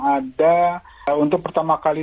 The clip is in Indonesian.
ada untuk pertama kali